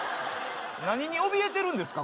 何におびえてるんですか